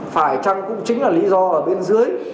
phải chăng cũng chính là lý do ở bên dưới